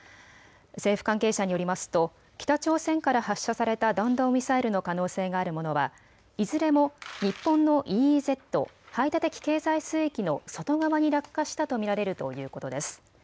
政府関係者によりますと北朝鮮から発射された弾道ミサイルの可能性があるものはいずれも日本のＥＥＺ・排他的経済水域の外側に落下したと見られるということです。